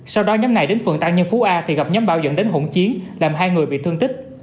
sau đó nhóm này đến phường tăng nhân phú a thì gặp nhóm bao dẫn đến hỗn chiến làm hai người bị thương tích